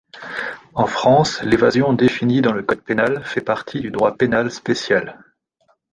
En France, l'évasion, définie dans le Code pénal, fait partie du droit pénal spécial.